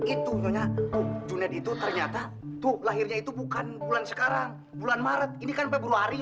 itu junedi itu ternyata tuh lahirnya itu bukan bulan sekarang bulan maret ini kan februari